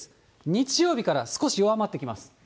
日曜日から少し弱まってきます。